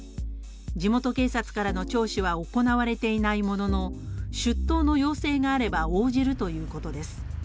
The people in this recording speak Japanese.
地元警察からの聴取は行われていないものの出頭の要請があれば応じるということです。